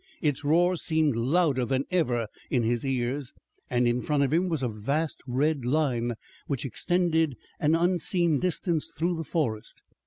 Its roar seemed louder than ever in his ears, and in front of him was a vast red line, which extended an unseen distance through the forest.